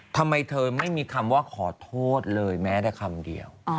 ทำไมเธอไม่มีคำว่าขอโทษเลยแม้แต่คำเดียว